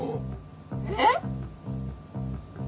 えっ？